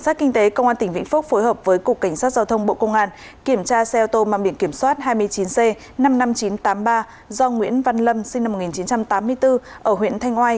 tỉnh vĩnh phúc phối hợp với cục cảnh sát giao thông bộ công an kiểm tra xe ô tô mang biển kiểm soát hai mươi chín c năm mươi năm nghìn chín trăm tám mươi ba do nguyễn văn lâm sinh năm một nghìn chín trăm tám mươi bốn ở huyện thanh oai